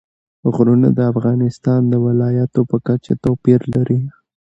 غرونه د افغانستان د ولایاتو په کچه توپیر لري.